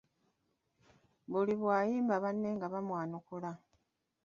Buli bw'ayimba banne nga bamwanukula.